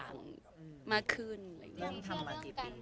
บางทีเค้าแค่อยากดึงเค้าต้องการอะไรจับเราไหล่ลูกหรือยังไง